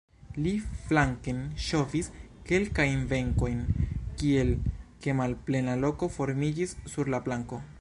Li flanken ŝovis kelkajn benkojn, tiel ke malplena loko formiĝis sur la planko.